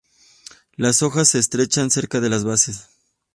Las hojas se estrechan cerca de las bases.